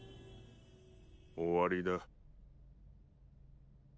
終わりだ。